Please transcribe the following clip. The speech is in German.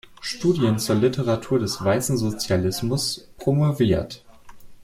Studien zur Literatur des Weißen Sozialismus“ promoviert.